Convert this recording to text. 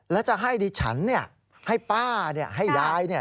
แล้วจะให้ดิฉันเนี่ยให้ป้าเนี่ยให้ยายเนี่ย